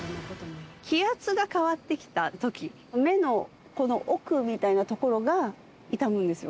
気圧が変わってきたとき、目のこの奥みたいな所が痛むんですよ。